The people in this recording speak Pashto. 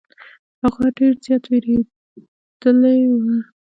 هغه ډير زيات ويرويدلې وه.